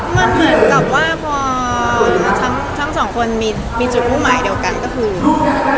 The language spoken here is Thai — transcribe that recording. มันเหมือนกับว่าพอทั้งสองคนมีจุดมุ่งหมายเดียวกันก็คือ